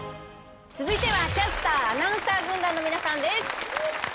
続いてはキャスター・アナウンサー軍団の皆さんです。